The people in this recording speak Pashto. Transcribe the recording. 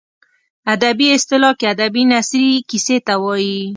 ادبي اصطلاح کې ادبي نثري کیسې ته وايي.